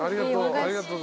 ありがとう。